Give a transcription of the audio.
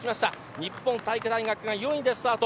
日体大が４位でスタート。